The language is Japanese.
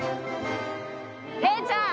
礼ちゃん！